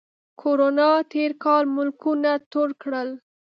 کرونا تېر کال ملکونه تور کړل